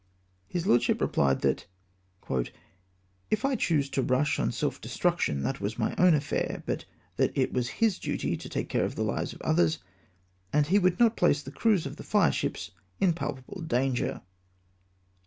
His lordship rephed, that " if I chose to rush on self destruction that was my own afFak, but tliat it was his duty to take care of the fives of others, and he would not place the crews of tlie fireships in palpable danger."